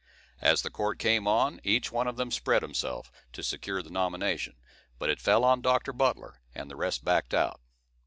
As the court came on, each one of them spread himself, to secure the nomination; but it fell on Dr. Butler, and the rest backed out.